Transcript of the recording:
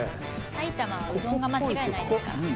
埼玉はうどんが間違いないですから。